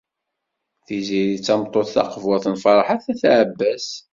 Tiziri d tameṭṭut taqburt n Ferḥat n At Ɛebbas.